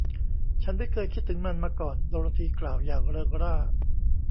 ฉันไม่เคยคิดถึงมันมาก่อน โดโรธีกล่าวอย่างเริงร่า